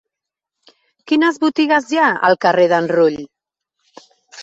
Quines botigues hi ha al carrer d'en Rull?